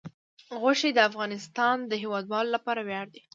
غوښې د افغانستان د هیوادوالو لپاره ویاړ دی.